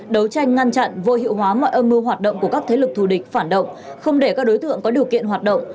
đấu tranh ngăn chặn vô hiệu hóa mọi âm mưu hoạt động của các thế lực thù địch phản động không để các đối tượng có điều kiện hoạt động